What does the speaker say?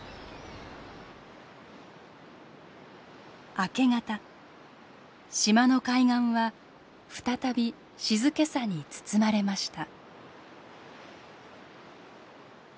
明け方島の海岸は再び静けさに包まれました。